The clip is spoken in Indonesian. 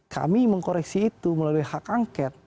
kami mengkoreksi itu melalui hak angket